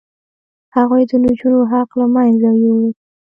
هغوی د نجونو حق له منځه یووړ.